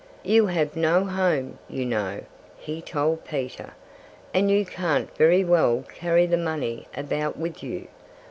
"You have no home, you know," he told Peter. "And you can't very well carry the money about with you.